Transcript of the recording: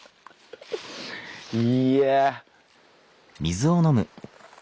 いや。